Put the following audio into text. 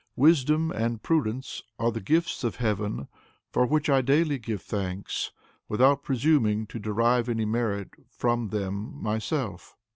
Wisdom and prudence are the gifts of Heaven, for which I daily give thanks, without presuming to derive any merit from them myself.